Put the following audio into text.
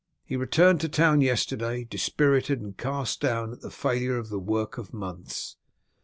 He returned to town yesterday dispirited and cast down at the failure of the work of months."